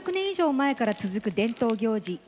以上前から続く伝統行事